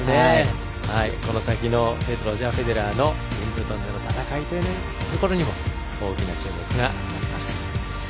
この先のロジャー・フェデラーのウィンブルドンでの戦いというところにも大きな注目が集まります。